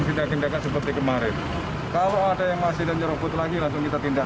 tindak tindakan seperti kemarin kalau ada yang masih dan jerukrut lagi langsung kita tindak